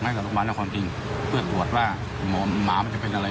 ใช้ภัญญาเองมันไม่ใช่พฤษณภาพมันไม่ใช่ไง